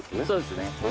そうですね。